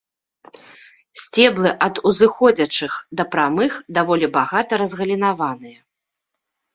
Сцеблы ад узыходзячых да прамых, даволі багата разгалінаваныя.